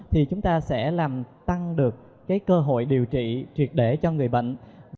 thì chúng ta sẽ làm tăng được cơ hội điều trị triệt để cho người bệnh